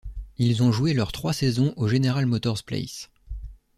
Ils ont joué leurs trois saisons au General Motors Place.